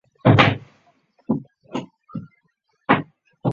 吕克昂迪瓦。